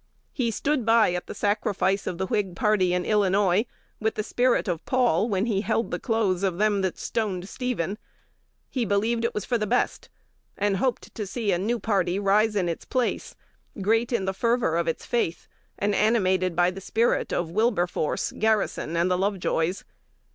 He stood by at the sacrifice of the Whig party in Illinois with the spirit of Paul when he "held the clothes of them that stoned Stephen." He believed it was for the best, and hoped to see a new party rise in its place, great in the fervor of its faith, and animated by the spirit of Wilberforce, Garrison, and the Lovejoys.